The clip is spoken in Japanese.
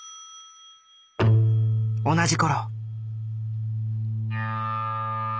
同じ頃。